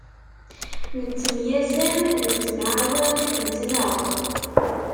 Nettemyasam, nettemɛawan, nettnaɣ.